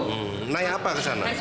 uangnya tidak tahu jual mulai tadi